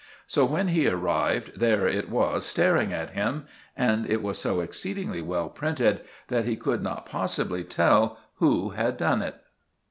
So when he arrived, there it was staring at him; and it was so exceedingly well printed that he could not possibly tell who had done it.